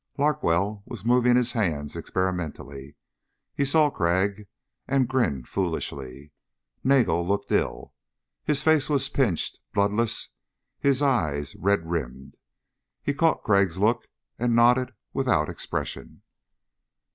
Larkwell was moving his hands experimentally. He saw Crag and grinned foolishly. Nagel looked ill. His face was pinched, bloodless, his eyes red rimmed. He caught Crag's look and nodded, without expression.